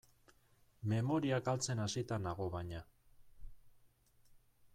Memoria galtzen hasita nago, baina.